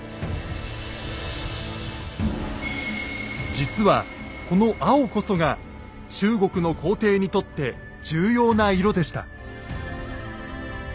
実はこの青こそが中国の皇帝にとって重要な色でした。